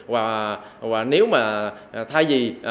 và nếu mà thay vì